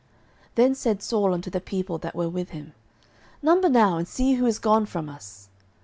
09:014:017 Then said Saul unto the people that were with him, Number now, and see who is gone from us.